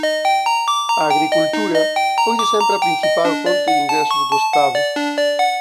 A agricultura foi de sempre a principal fonte de ingresos do estado.